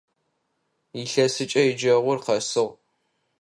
Илъэсыкӏэ еджэгъур къэсыгъ.